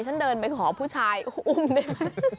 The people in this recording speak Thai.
ฉันเดินไปขอผู้ชายอุ้มได้ไหม